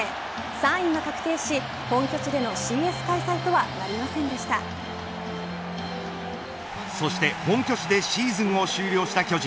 ３位が確定し本拠地でのＣＳ開催とはそして本拠地でシーズンを終了した巨人。